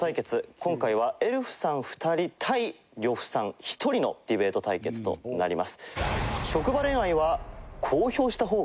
今回はエルフさん２人対呂布さん１人のディベート対決となります。